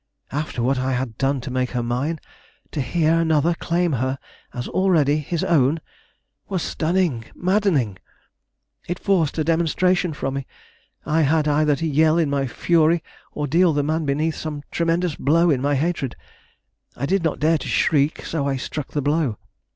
After what I had done to make her mine, to hear another claim her as already his own, was stunning, maddening! It forced a demonstration from me. I had either to yell in my fury or deal the man beneath some tremendous blow in my hatred. I did not dare to shriek, so I struck the blow.